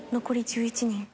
残り１１人。